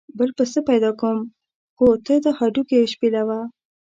بل پسه پیدا کوم خو ته دا هډوکي شپېلوه.